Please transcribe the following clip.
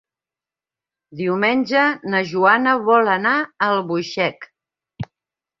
Diumenge na Joana vol anar a Albuixec.